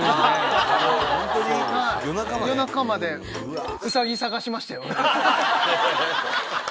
夜中までウサギ探しましたよ。